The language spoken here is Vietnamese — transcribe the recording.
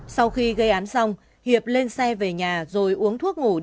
sau khi gây án xong hiệp lên xe về nhà rồi uống thuốc ngủ